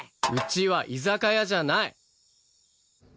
うちは居酒屋じゃない！